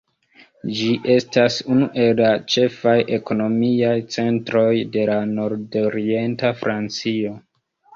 Ĝi estas unu el la ĉefaj ekonomiaj centroj de la nordorienta Francio.